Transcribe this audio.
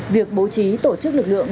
việc bố trí tổ chức lực lượng